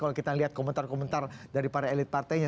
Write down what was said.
kalau kita lihat komentar komentar dari para elit partainya